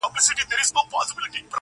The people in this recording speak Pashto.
جنونه اوس مي پښو ته زولنې لرې که نه,